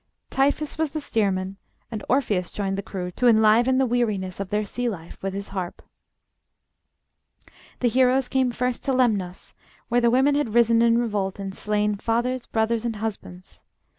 Tiphys was the steersman, and Orpheus joined the crew to enliven the weariness of their sea life with his harp. The heroes came first to Lemnos, where the women had risen in revolt and slain fathers, brothers, and husbands.